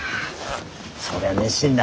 そりゃ熱心だ。